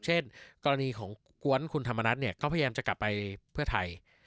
เช่นกรณีของกวนคุณธรรมนัฐเนี่ยเขาพยายามจะกลับไปเพื่อไทย